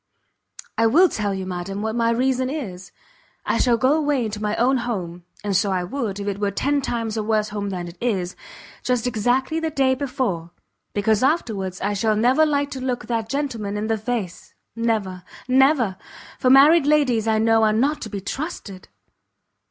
"I will tell you, madam, what my reason is; I shall go away to my own home, and so I would if it were ten times a worse home than it is! just exactly the day before. Because afterwards I shall never like to look that gentleman in the face, never, never! for married ladies I know are not to be trusted!"